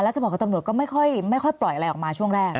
จะบอกกับตำรวจก็ไม่ค่อยปล่อยอะไรออกมาช่วงแรก